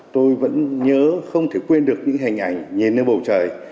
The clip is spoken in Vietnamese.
tôi vẫn nhớ không thể quên được những hình ảnh nhìn lên bầu trời